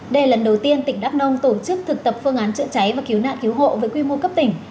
đây là lần đầu tiên tỉnh đắk nông tổ chức thực tập phương án chữa cháy và cứu nạn cứu hộ với quy mô cấp tỉnh